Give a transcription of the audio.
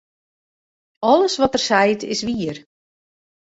Alles wat er seit, is wier.